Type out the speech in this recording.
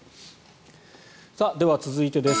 では、続いてです。